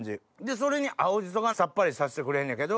それに青紫蘇がさっぱりさせてくれんねんけど